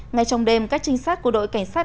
ngay trong đêm các trinh sát của đội cảnh sát